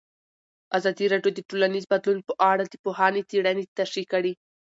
ازادي راډیو د ټولنیز بدلون په اړه د پوهانو څېړنې تشریح کړې.